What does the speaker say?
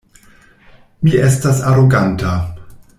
Mi estas aroganta.